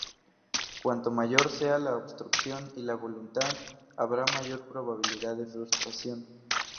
Cuanto mayor sea la obstrucción y la voluntad habrá mayor probabilidad de frustración.